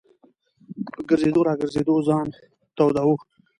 په ګرځېدو را ګرځېدو ځان توداوه.